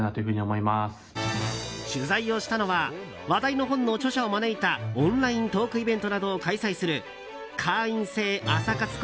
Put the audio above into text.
取材をしたのは話題の本の著者を招いたオンライントークイベントなどを開催する会員制朝活